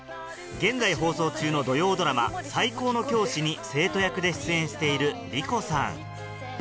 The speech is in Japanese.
現在放送中の土曜ドラマ『最高の教師』に生徒役で出演している莉子さん